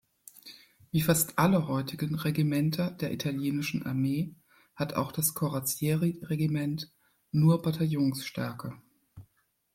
Wie fast alle heutigen Regimenter der italienischen Armee hat auch das "Corazzieri"-Regiment nur Bataillonsstärke.